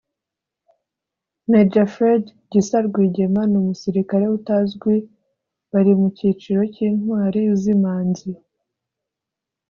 Maj Fred Gisa Rwigema n’umusirikare Utazwi bari mu cyiciro cy’Intwari z’Imanzi